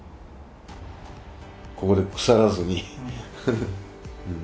ここで腐らずに。